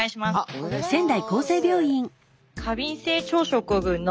お願いします。